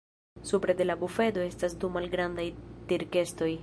Supre de la bufedo estas du malgrandaj tirkestoj.